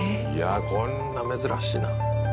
こんな珍しいな。